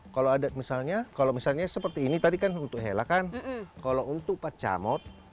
kalau ada misalnya kalau misalnya seperti ini tadi kan untuk hela kan kalau untuk pak camot